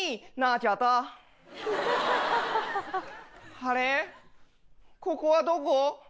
あれここはどこ？